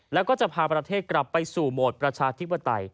แล้วก็จะพาประเทศกลับไปสู่โหมดประชาธิปไตย